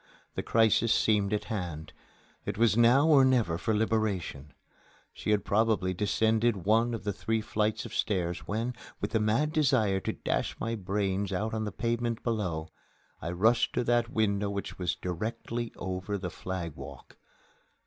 The crisis seemed at hand. It was now or never for liberation. She had probably descended one of three flights of stairs when, with the mad desire to dash my brains out on the pavement below, I rushed to that window which was directly over the flag walk.